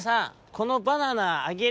このバナナあげる」。